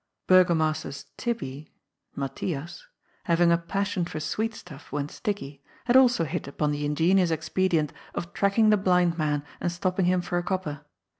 Burgomaster's '^ Tibbie'' (Matthias), having a passion for sweet stuff, when sticky, had also hit upon the in genious expedient of tracking the blind man and stopping him for a copper.